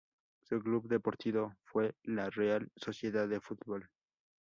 Su club deportivo fue la Real Sociedad de Fútbol.